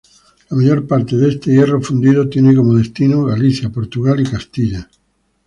La mayor parte de este hierro fundido tiene como destino: Galicia, Portugal y Castilla.